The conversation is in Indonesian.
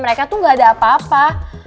mereka tuh gak ada apa apa